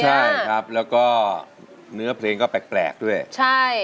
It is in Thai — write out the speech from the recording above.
ใช่ครับแล้วก็เนื้อเพลงก็แปลกด้วยใช่